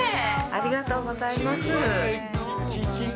ありがとうございます。